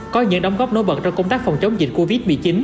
có những đóng góp nối bật trong công tác phòng chống dịch covid một mươi chín